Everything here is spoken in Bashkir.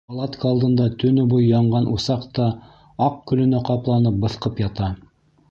Палатка алдында төнө буйы янған усаҡ та, аҡ көлөнә ҡапланып, быҫҡып ята.